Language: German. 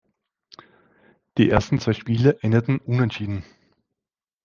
Die ersten zwei Spiele endeten unentschieden.